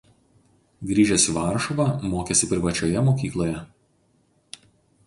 Grįžęs į Varšuvą mokėsi privačioje mokykloje.